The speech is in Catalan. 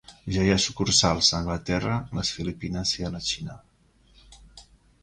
Ja hi ha sucursals a Anglaterra, les Filipines i la Xina.